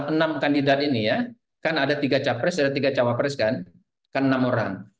enam kandidat ini ya kan ada tiga capres ada tiga cawapres kan kan enam orang